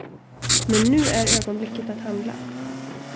Men nu är ögonblicket att handla.